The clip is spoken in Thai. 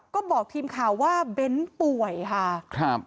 ก็บอกทีมข่าวว่าเบ้นป่วยค่ะครับ